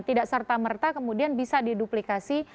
tidak serta merta kemudian bisa diduplikasi